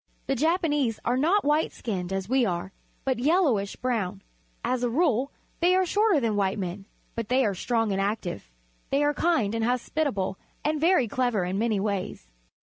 The Japanese are not white skinned, as we are, but yellowish brown. As a rule they are shorter than white men, but they are strong and active. They are kind and hospitable and very clever in many ways.